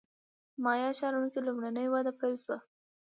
په مایا ښارونو کې لومړنۍ وده پیل شوه